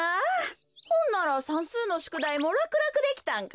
ほんならさんすうのしゅくだいもらくらくできたんか？